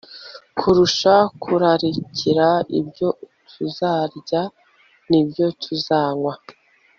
kurusha kurarikira ibyo tuzarya nibyo tuzanywa